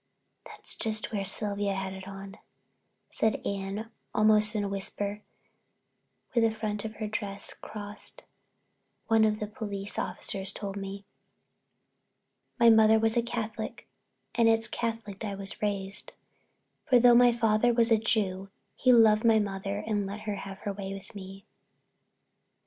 "That's just where Sylvia had it on," said Anne almost in a whisper, "where the front of her dress crossed. One of the police officers told me." My mother was a Catholic and it's Catholic I was raised, for though my father was a Jew he loved my mother and let her have her way with me.